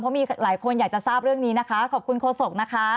เพราะมีหลายคนอยากจะทราบเรื่องนี้นะคะขอบคุณโฆษกนะคะ